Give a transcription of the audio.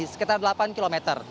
sekitar delapan km